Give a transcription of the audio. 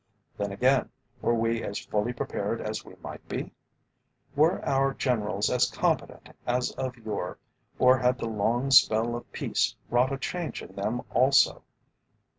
Then again, were we as fully prepared as we might be? Were our Generals as competent as of yore, or had the long spell of peace wrought a change in them also?